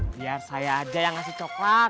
biar saya aja yang ngasih coklat